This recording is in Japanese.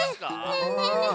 ねえねえねえ